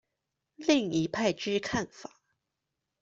另一派之看法